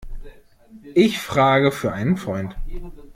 Ich frage für einen Freund.